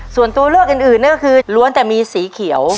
ส่วนตัวเลือกอื่นนั่นก็คือล้วนแต่มีสีเขียว